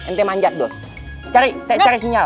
nt manjat bos cari cari sinyal